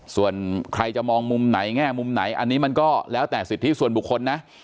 ส่วนใครจะมองมุมไหนแง่มุมไหนอันนี้มันก็แล้วแต่สิทธิส่วนบุคคลนะ